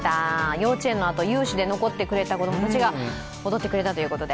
幼稚園のあと、有志で残ってくれた子供たちが踊ってくれたということで。